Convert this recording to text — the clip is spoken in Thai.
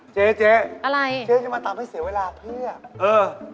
เจ๊อะไรเจ๊จะมาตามให้เสียเวลาพี่นี่